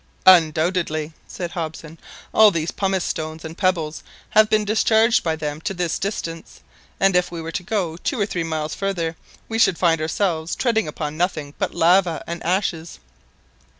"Undoubtedly," said Hobson; "all these pumice stones and pebbles have been discharged by them to this distance, and if we were to go two or three miles farther, we should find ourselves treading upon nothing but lava and ashes."